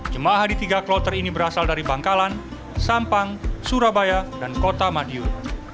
jemaah di tiga kloter ini berasal dari bangkalan sampang surabaya dan kota madiun